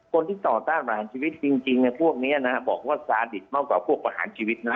คนที่ต่อต้านประหารชีวิตจริงพวกนี้นะบอกว่าซาดิตมากกว่าพวกประหารชีวิตนะ